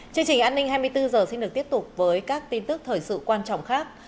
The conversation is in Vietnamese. chương trình an ninh hai mươi bốn h xin được tiếp tục với các tin tức thời sự quan trọng khác